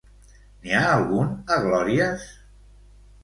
N'hi ha algun a Glòries?